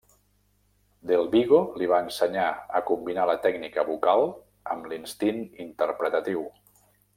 Del Vigo li va ensenyar a combinar la tècnica vocal amb l'instint interpretatiu.